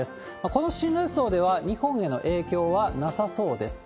この進路予想では、日本への影響はなさそうです。